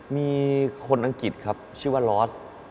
มีคนอังกฤษครับชื่อว่าลอส